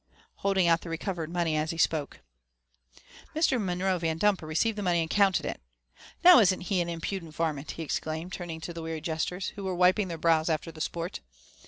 holding out the recovered money as he spoke. Mr. Monroe Yandumper received the money and counted it. ''Now, isn't he an impudent varment?" he exclaimed, turning to the weary jesters, who were wiping their brows after the sport.